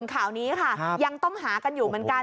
ข่าวนี้ค่ะยังต้องหากันอยู่เหมือนกัน